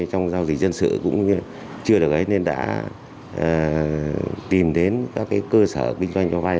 trong giao dịch dân sự cũng chưa được hết nên đã tìm đến các cái cơ sở kinh doanh cho vay